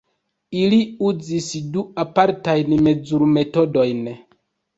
Ili uzis du apartajn mezurmetodojn.